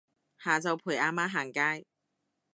下晝陪阿媽行街